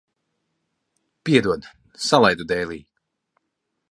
Piedod, salaidu dēlī.